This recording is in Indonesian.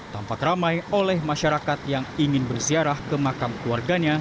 tampak ramai oleh masyarakat yang ingin berziarah ke makam keluarganya